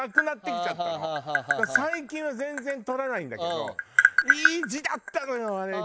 だから最近は全然撮らないんだけどいい字だったのよあれ。